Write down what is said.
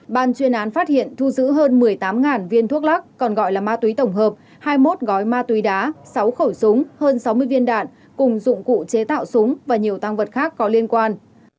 ban chuyên án phát hiện thu giữ hơn một mươi tám viên thuốc lắc còn gọi là ma túy tổng hợp hai mươi một gói ma túy đá sáu khẩu súng hơn sáu mươi viên đạn cùng dụng cụ chế tạo súng và nhiều tăng vật khác có liên quan